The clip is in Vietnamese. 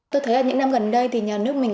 tôi thấy là những năm gần đây thì nhà nước mình